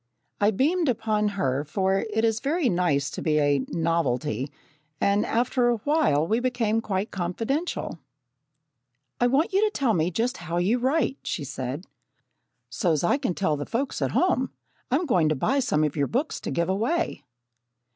I beamed upon her, for it is very nice to be a "novelty," and after a while we became quite confidential. "I want you to tell me just how you write," she said, "so's I can tell the folks at home. I'm going to buy some of your books to give away."